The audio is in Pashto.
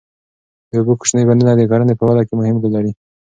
د اوبو کوچني بندونه د کرنې په وده کې مهم رول لري.